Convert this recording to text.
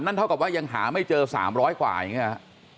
เท่ากับว่ายังหาไม่เจอ๓๐๐กว่าอย่างนี้ฮะ